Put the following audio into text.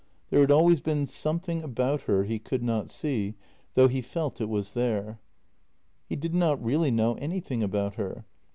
There had always been something about her he could not see, though he felt it was there. He did not really know anything about her.